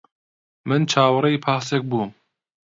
من چاوەڕێی پاسێک بووم.